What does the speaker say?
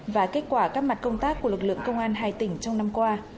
và kết quả các mặt công tác của lực lượng công an hai tỉnh trong năm qua